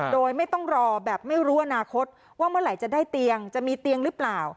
โดยไม่ต้องรอแบบไม่รู้อนาคตว่าเมื่อไหร่จะได้เตียงจะมีเตียงหรือเปล่า